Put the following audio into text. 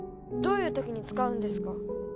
どういう時に使うんですか？